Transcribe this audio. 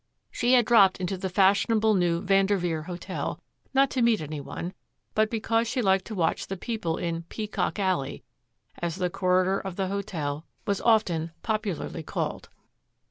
She had dropped into the fashionable new Vanderveer Hotel, not to meet any one, but because she liked to watch the people in "Peacock Alley," as the corridor of the hotel was often popularly called.